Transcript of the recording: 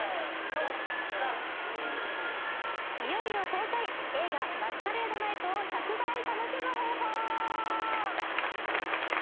いよいよ公開映画「マスカレード・ナイト」を１００倍楽しむ方法！